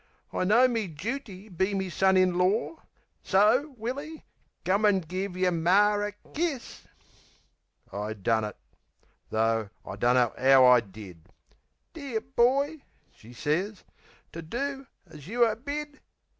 I know me jooty be me son in lor; So, Willy, come an' give yer Mar a kiss." I done it. Tho' I dunno 'ow I did. "Dear boy," she sez, "to do as you are bid.